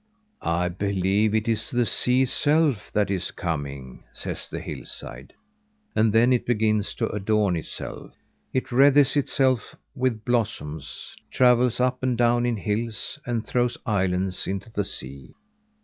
"I believe it is the sea itself that is coming," says the hillside, and then it begins to adorn itself. It wreathes itself with blossoms, travels up and down in hills and throws islands into the sea.